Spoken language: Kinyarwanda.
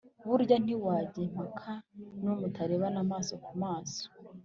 burya ntiwajya impaka n’uwo mutarebana amaso ku maso.